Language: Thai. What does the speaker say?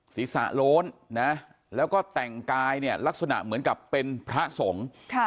ศีรษะโล้นนะแล้วก็แต่งกายเนี่ยลักษณะเหมือนกับเป็นพระสงฆ์